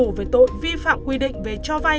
về tội vi phạm quy định về cho vay